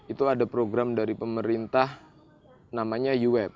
itu ada program dari pemerintah namanya uap